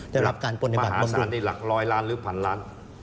ได้รับการปฏิบัติบำรุงมหาสารในหลัก๑๐๐ล้านหรือ๑๐๐๐ล้าน